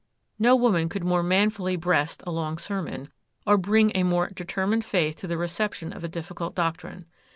No woman could more manfully breast a long sermon, or bring a more determined faith to the reception of a difficult doctrine.